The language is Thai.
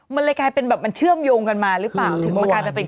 มันเลยกลายเป็นแบบมันเชื่อมโยงกันมาหรือเปล่าถึงมันกลายเป็น